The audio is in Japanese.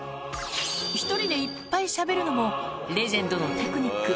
１人でいっぱいしゃべるのも、レジェンドのテクニック。